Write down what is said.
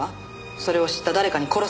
それを知った誰かに殺されたと？